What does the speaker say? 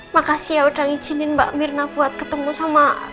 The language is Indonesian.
makasih ya udah izinin mbak mirna buat ketemu sama